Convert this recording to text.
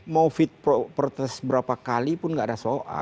mau fit propertes berapa kalipun gak ada soal